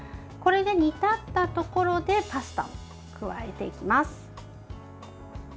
これで煮立ったところでパスタを加えていきます。